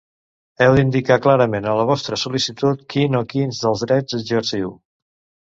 Heu d'indicar clarament a la vostra sol·licitud quin o quins drets exerciu.